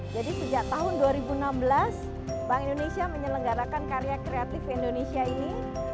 jadi sejak tahun dua ribu enam belas bank indonesia menyelenggarakan karya kreatif indonesia ini